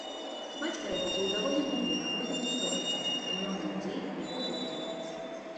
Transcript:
Бацька яго быў даволі буйны работнік у горадзе, і многа людзей яго ведала.